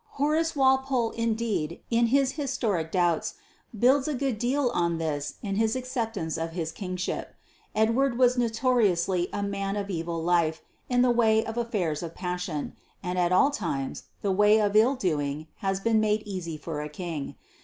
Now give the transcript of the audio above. Horace Walpole indeed in his Historic Doubts builds a good deal on this in his acceptance of his kingship. Edward was notoriously a man of evil life in the way of affairs of passion, and at all times the way of ill doing has been made easy for a king.